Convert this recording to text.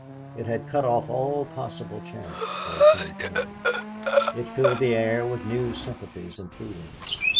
It had cut off all possible chance for a campaign. It filled the air with new sympathies and feelings.